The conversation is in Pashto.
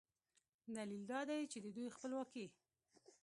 دلیل دا دی چې د دوی خپلواکي